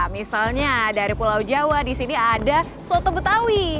misalnya dari pulau jawa di sini ada soto betawi